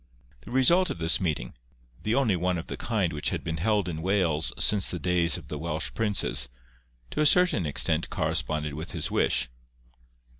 The result of this meeting—the only one of the kind which had been held in Wales since the days of the Welsh princes—to a certain extent corresponded with his wish.